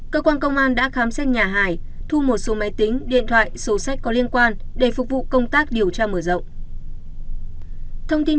cơ quan công an đã khám xét nhà hải thu một số máy tính điện thoại sổ sách có liên quan để phục vụ công tác điều tra mở rộng